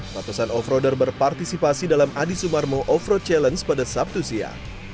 batasan offroader berpartisipasi dalam adi sumarmo offroad challenge pada sabtu sia